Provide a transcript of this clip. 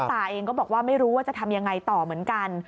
ตาเองก็บอกว่าไม่รู้ว่าจะทำยังไงต่อเหมือนกัน